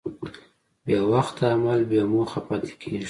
بېوخته عمل بېموخه پاتې کېږي.